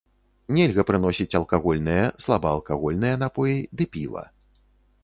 Нельга прыносіць алкагольныя, слабаалкагольныя напоі ды піва.